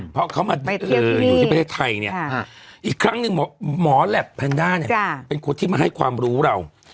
เพราะเขามาอยู่ที่ประเทศไทยเนี่ยอีกครั้งหนึ่งหมอแหลปแพนด้าเนี่ยเป็นคนที่มาให้ความรู้เรา